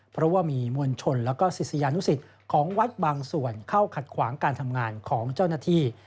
เพราะว่ามีมวลชนและก็ศิษยานุสิตของวัดบางส่วนเข้าขัดขวางการทำงานของเจ้าหน้าที่